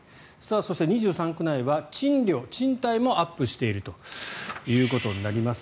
そして、２３区内は賃貸もアップしているということになります。